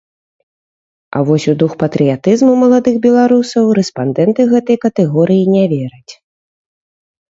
А вось у дух патрыятызму маладых беларусаў рэспандэнты гэтай катэгорыі не вераць.